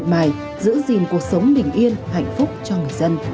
đầy đủ đúng lượng chính xác không